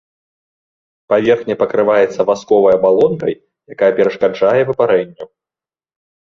Паверхня пакрываецца васковай абалонкай, якая перашкаджае выпарэнню.